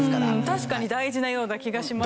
確かに大事なような気がしますけどね。